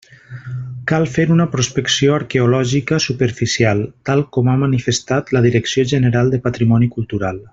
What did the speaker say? Cal fer una prospecció arqueològica superficial, tal com ha manifestat la Direcció General de Patrimoni Cultural.